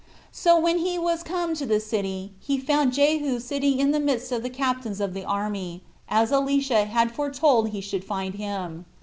So when he was come to the city, he found Jehu sitting in the midst of the captains of the army, as Elisha had foretold he should find him.